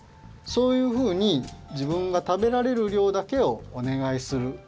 そういうふうにじぶんが食べられるりょうだけをおねがいする。